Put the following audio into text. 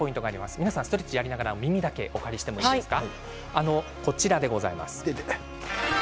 皆さんストレッチをやりながら耳をお借りしてもいいですか？